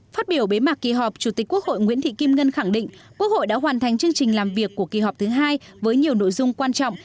phát biểu bế mạc kỳ họp chủ tịch quốc hội nguyễn thị kim ngân khẳng định quốc hội đã hoàn thành chương trình làm việc của kỳ họp thứ hai với nhiều nội dung quan trọng